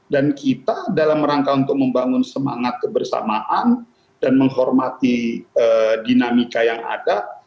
dan kita dalam rangka untuk membangun semangat kebersamaan dan menghormati dinamika yang ada